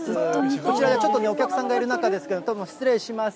こちら、ちょっとお客さんがいる中ですけれども、どうも、失礼します。